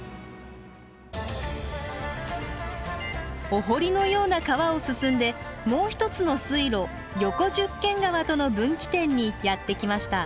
お堀のような川を進んでもう一つの水路横十間川との分岐点にやって来ました。